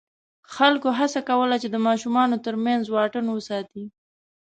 خلکو هڅه کوله چې د ماشومانو تر منځ واټن وساتي.